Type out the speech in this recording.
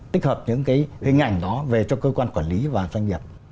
tích hợp những cái hình ảnh đó về cho cơ quan quản lý và doanh nghiệp